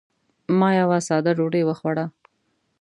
ما یوه ساده ډوډۍ وخوړه.